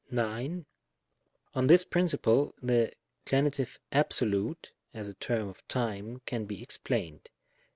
9. On this principle the Gen. absolute, as a term of time, can be explained.